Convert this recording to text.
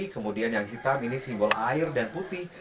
kemudian yang hitam ini simbol air dan putih